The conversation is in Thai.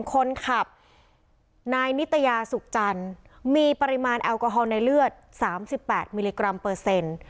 คนขับนายนิตยาสุขจันทร์มีปริมาณแอลกอฮอลในเลือด๓๘มิลลิกรัมเปอร์เซ็นต์